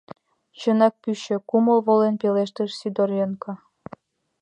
— Чынак, пӱчӧ! — кумыл волен пелештыш Сидоренко.